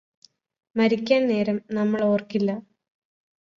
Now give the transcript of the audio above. മരിക്കാന് നേരം നമ്മള് ഓര്ക്കില്ല